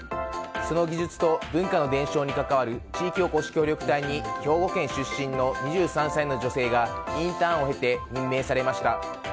その技術と文化の伝承に関わる地域おこし協力隊に兵庫県出身の２３歳の女性がインターンを経て任命されました。